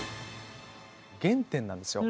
原点なんですよ。